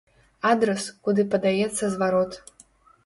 Адрас, куды падаецца зварот.